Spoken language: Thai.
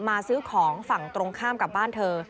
ซื้อของฝั่งตรงข้ามกับบ้านเธอ